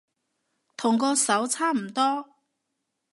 同嗰首差唔多